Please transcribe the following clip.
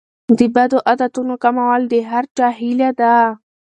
د بدو عادتونو کمول د هر چا هیله ده.